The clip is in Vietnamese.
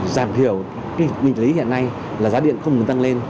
giảm thiểu cái nguyên lý hiện nay là giá điện không được tăng lên